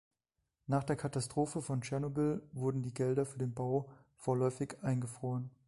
Nach der Katastrophe von Tschernobyl wurden die Gelder für den Bau vorläufig eingefroren.